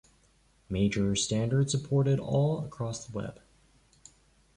Major standard supported all accross the web